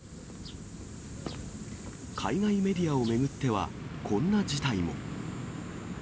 海外メディアを巡っては、こんな事態も。